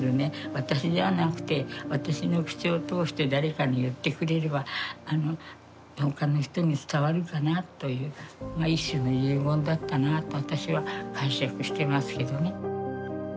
私じゃなくて私の口を通して誰かに言ってくれれば他の人に伝わるかなという一種の遺言だったなと私は解釈してますけどね。